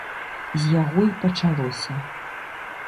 З яго і пачалося.